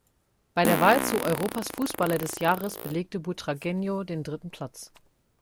Bei der Wahl zu „Europas Fußballer des Jahres“ belegte Butragueño den dritten Platz.